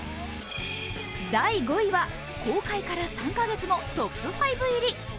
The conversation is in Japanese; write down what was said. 第５位は、公開から３カ月もトップ５入り。